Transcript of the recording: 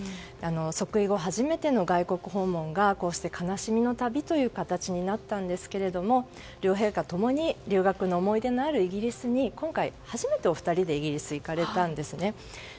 即位後初めての外国訪問がこうして悲しみの旅という形になったんですけれども両陛下共に留学の思い出のあるイギリスに今回、初めてお二人でイギリスに行かれたんですね。